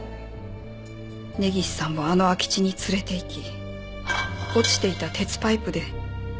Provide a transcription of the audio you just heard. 「根岸さんをあの空地に連れて行き落ちていた鉄パイプで」